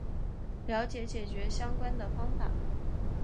了解解决相关的方法